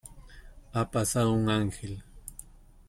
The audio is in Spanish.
Ha pasado un ángel